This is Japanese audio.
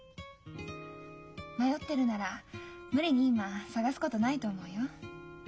迷ってるなら無理に今捜すことないと思うよ。